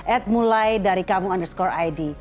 at mulai dari kamu underscore id